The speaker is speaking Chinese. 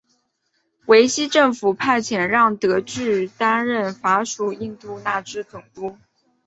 维希政府派遣让德句担任法属印度支那总督。